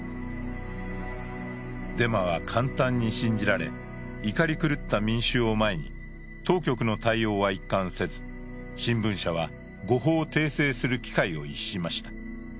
デマは簡単に信じられ、怒り狂った民衆を前に当局の対応は一貫せず、新聞社は誤報を訂正する機会を逸しました。